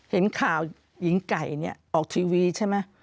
เห็นข่าวหญิงไก่เนี่ยออกทีวีใช่ไหม